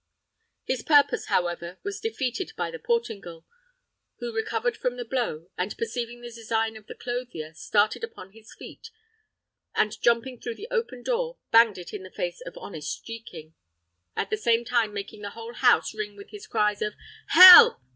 His purpose, however, was defeated by the Portingal, who recovered from the blow, and perceiving the design of the clothier, started upon his feet, and jumping through the open door, banged it in the face of honest Jekin, at the same time making the whole house ring with his cries of "Help!